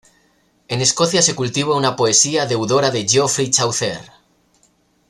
En Escocia se cultiva una poesía deudora de Geoffrey Chaucer.